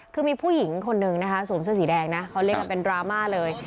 คือมีผู้หญิงคนนึงนะคะสวมเสื้อสีแดงนะเขาเรียกกันเป็นดราม่าเลย